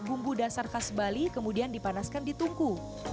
bumbu dasar khas bali kemudian dipanaskan di tungku